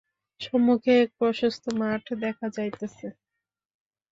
সম্মুখে এক প্রশস্ত মাঠ দেখা যাইতেছে।